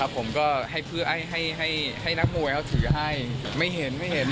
ก็ให้นักมวยเขาถือให้